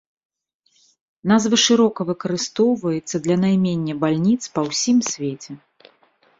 Назва шырока выкарыстоўваецца для наймення бальніц па ўсім свеце.